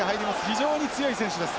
非常に強い選手です。